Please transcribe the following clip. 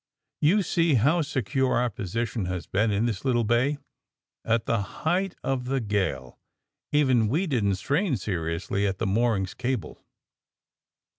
^'You see how secure our position has been in this little bay. At the height of the gale, even, we didn't strain seriously at the moorings cable."